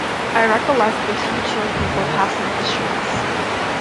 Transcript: I recollect a few chilled people passing in the streets.